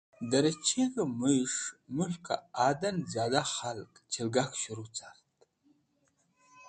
Dẽ rẽcheg̃hẽ mũyẽs̃h mulkẽ adan ziyoda khalg chẽlgak s̃heru cart.